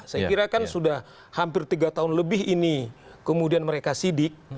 saya kira kan sudah hampir tiga tahun lebih ini kemudian mereka sidik